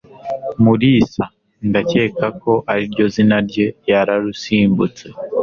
Mulisa, ndakeka ko ariryo zina rye, yararusimbutse.